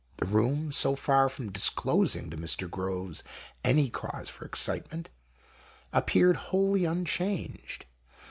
The room, so far from disclosing to Mr. Groves any cause for excitement, appeared wholly unchanged.